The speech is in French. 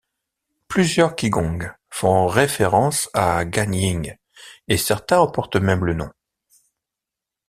Plusieurs qigong font référence à Guanyin et certains en portent même le nom.